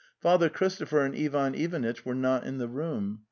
Father Christo pher and Ivan Ivanitch were not in the room.